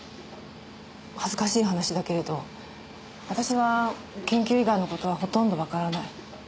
恥ずかしい話だけれど私は研究以外の事はほとんどわからない。